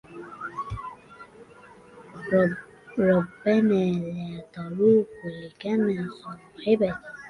ربّما لا تروق لكما صُحبتي.